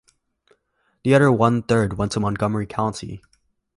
The other one-third went to Montgomery County.